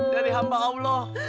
dari hamba allah